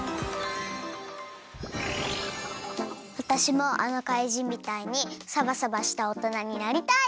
わたしもあのかいじんみたいにサバサバしたおとなになりたい。